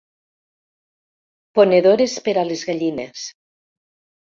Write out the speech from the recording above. Ponedores per a les gallines.